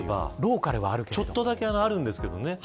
ちょっとだけあるんですけどね